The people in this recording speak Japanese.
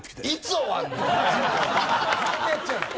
ずっとやっちゃう。